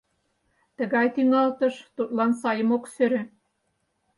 Тыгай тӱҥалтыш тудлан сайым ок сӧрӧ.